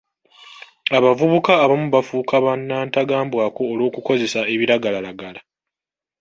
Abavubuka abamu bafuuka ba nnantagambwako olw'okukozesa ebiragalalagala.